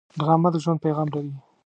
ډرامه د ژوند پیغام لري